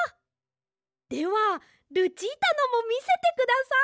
ではルチータのもみせてください。